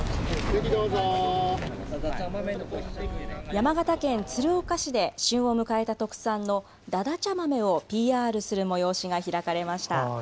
山形県鶴岡市で旬を迎えた特産のだだちゃ豆をＰＲする催しが開かれました。